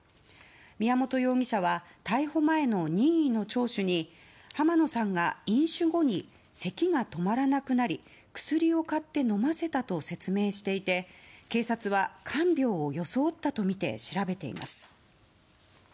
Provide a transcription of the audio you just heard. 宮本容疑者は逮捕前の任意の聴取に浜野さんが飲酒後にせきが止まらなくなり薬を買って飲ませたと説明していて警察は看病を装ったとみて調べています。